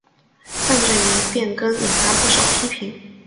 但这一变更引发不少批评。